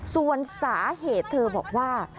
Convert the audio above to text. ส่วนสาเหตุเธอบอกว่า